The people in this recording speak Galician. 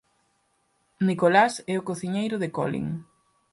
Nicolás é o cociñeiro de Colin.